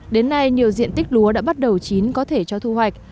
đến nay nhiều diện tích lúa đã bắt đầu chín có thể cho thu hoạch